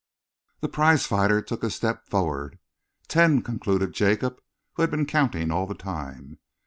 The prize fighter took a step forward. "... ten," concluded Jacob, who had been counting all the time.